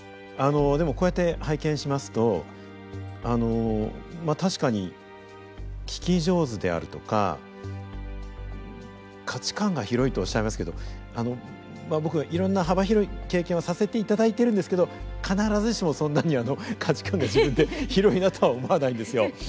あのでもこうやって拝見しますとあのまあ確かに聞き上手であるとか価値観が広いとおっしゃいますけどあの僕いろんな幅広い経験をさせていただいてるんですけど必ずしもそんなに価値観が自分で広いなとは思わないんですよ。